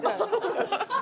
ハハハハ。